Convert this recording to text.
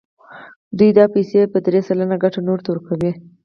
دوی دا پیسې په درې سلنه ګټه نورو ته ورکوي